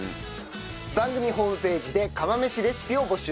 番組ホームページで釜飯レシピを募集しております。